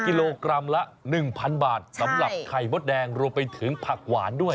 กิโลกรัมละ๑๐๐บาทสำหรับไข่มดแดงรวมไปถึงผักหวานด้วย